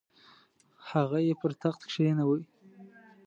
هغه یې پر تخت کښینوي.